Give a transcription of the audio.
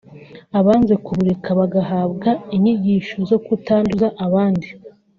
abanze kubureka bagahabwa inyigisho zo kutanduza abandi